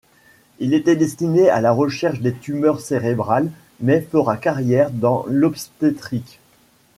Il était destiné à la recherche des tumeurs cérébrales mais fera carrière dans l'obstétrique.